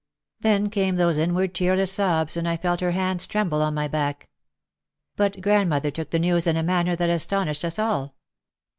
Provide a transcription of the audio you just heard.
Then came those inward tearless sobs and I felt her hands tremble on my back. But grandmother took the news in a manner that astonished us all.